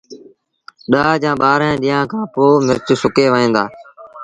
ڏآه جآݩ ٻآهرآݩ ڏيݩهآݩ کآݩ پو مرچ سُڪي وهيݩ دآ